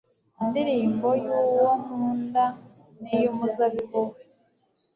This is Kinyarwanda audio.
indirimbo y'uwo nkunda n'iy'umuzabibu we